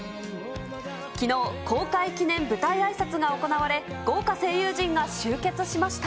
きのう、公開記念舞台あいさつが行われ、豪華声優陣が集結しました。